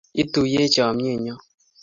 Ituiyech chomyet nyoo